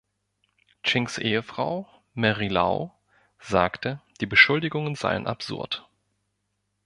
Chings Ehefrau, Mary Lau, sagte, die Beschuldigungen seien absurd.